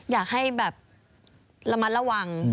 อยากให้แบบระมัดระวัง